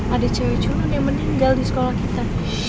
ada cewek juga yang meninggal di sekolah kita